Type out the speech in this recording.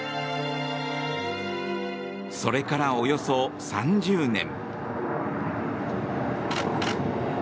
それから、およそ３０年。